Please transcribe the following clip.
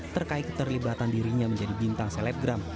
terkait keterlibatan dirinya menjadi bintang selebgram